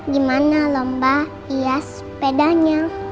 gimana lomba hias pedanya